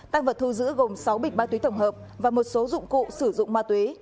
tăng vật thu giữ gồm sáu bịch ma túy tổng hợp và một số dụng cụ sử dụng ma túy